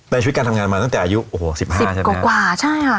ชีวิตการทำงานมาตั้งแต่อายุโอ้โห๑๕ใช่ไหมกว่าใช่ค่ะ